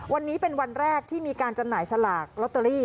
วันนี้เป็นวันแรกที่มีการจำหน่ายสลากลอตเตอรี่